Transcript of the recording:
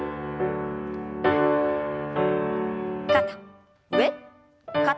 肩上肩下。